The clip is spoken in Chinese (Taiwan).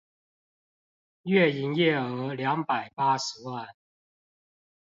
月營業額兩百八十萬